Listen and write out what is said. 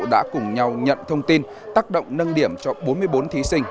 đã cùng nhau nhận thông tin tác động nâng điểm cho bốn mươi bốn thí sinh